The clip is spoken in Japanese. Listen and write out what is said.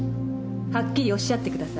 はっきりおっしゃってください。